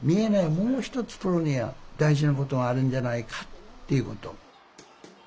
もう一つプロには大事なことがあるんじゃないかっていうこと。